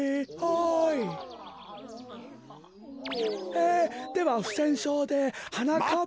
えではふせんしょうではなかっぱ。